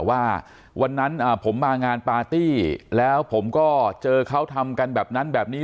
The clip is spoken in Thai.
ว่าวันนั้นผมมางานปาร์ตี้แล้วผมก็เจอเขาทำกันแบบนั้นแบบนี้